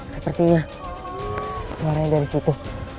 sepertinya suaranya dari situ